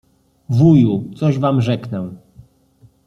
Wuju, coś wam rzeknę.